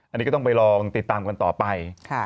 อันนี้ก็ต้องไปลองติดตามกันต่อไป